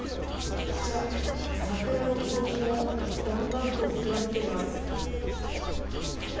こちら桜のつぼみもだんだんと膨らんできています。